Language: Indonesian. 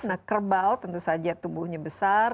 nah kerbau tentu saja tubuhnya besar